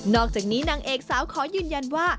อกจากนี้นางเอกสาวขอยืนยันว่า